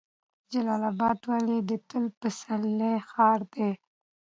جلال اباد ولې د تل پسرلي ښار دی؟